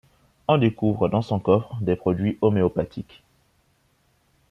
On découvre dans son coffre des produits homéopathiques.